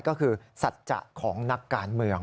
ก็คือสัจจะของนักการเมือง